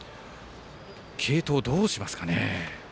継投、どうしますかね。